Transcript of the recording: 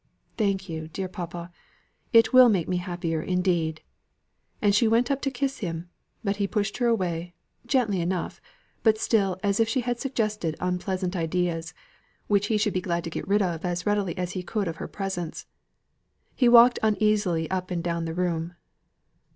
"Thank you, dear papa. It will make me happier, indeed." And she went up to him to kiss him. But he pushed her away gently enough, but still as if she had suggested unpleasant ideas, which he should be glad to get rid of as readily as he could of her presence. He walked uneasily up and down the room.